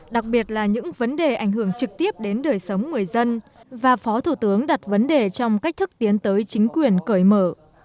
đặc biệt là những vấn đề ảnh hưởng trực tiếp đến đời sống người dân và phó thủ tướng đặt vấn đề trong cách thức tiến tới chính quyền cởi mở